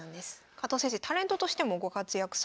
加藤先生タレントとしてもご活躍されております。